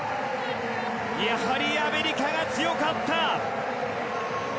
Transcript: やはりアメリカが強かった。